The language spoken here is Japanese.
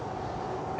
え？